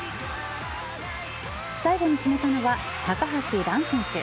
最後に決めたのは高橋藍選手。